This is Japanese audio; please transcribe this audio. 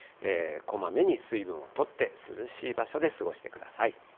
こまめに水分をとって、涼しい場所で過ごしてください。